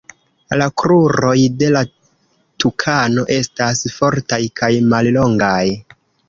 La kruroj de la tukano estas fortaj kaj mallongaj.